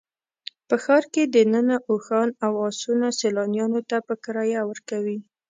په ښار کې دننه اوښان او اسونه سیلانیانو ته په کرایه ورکوي.